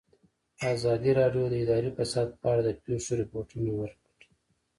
ازادي راډیو د اداري فساد په اړه د پېښو رپوټونه ورکړي.